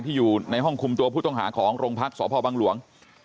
อยู่ในห้องคุมตัวผู้ต้องหาของโรงพักษพบังหลวง